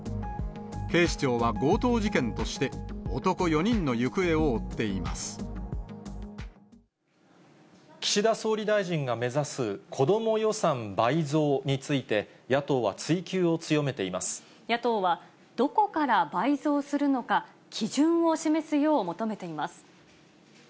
警視庁は強盗事件として、男４人岸田総理大臣が目指す子ども予算倍増について、野党は、どこから倍増するのか、基準を示すよう求めています。